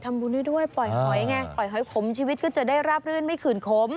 ทำบุญให้ด้วยปล่อยหอยไงปล่อยหอยขมชีวิตก็จะได้ราบรื่นไม่ขื่นขม